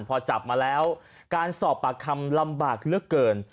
พอจับมาแล้วการสอบปากคำลำบากเหลือเกิน